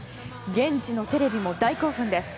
現地のテレビも大興奮です。